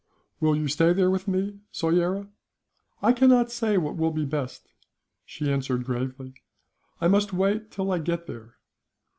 "Will you stay there with me, Soyera?" "I cannot say what will be best," she answered, gravely; "I must wait till I get there.